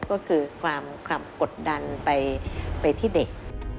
ก็คือความกดดันไปที่เด็ก